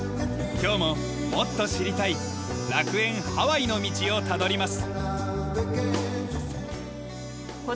今日ももっと知りたい楽園ハワイの道をたどります。